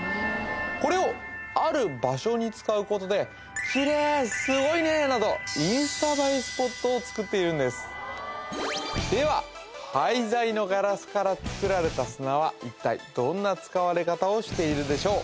これをある場所に使うことで「キレイ」「すごいね」などインスタ映えスポットを作っているんですでは廃材のガラスから作られた砂は一体どんな使われ方をしているでしょう